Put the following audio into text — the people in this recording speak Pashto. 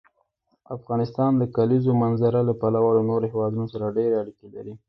افغانستان د کلیزو منظره له پلوه له نورو هېوادونو سره ډېرې اړیکې لري.